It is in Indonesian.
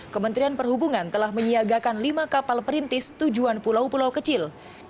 kementerian perhubungan telah menyiagakan lima kapal perintis tujuan pulau pulau kecil